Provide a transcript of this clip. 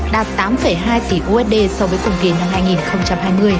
đạt tám hai tỷ usd so với cùng kỳ năm hai nghìn hai mươi